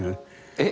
えっ！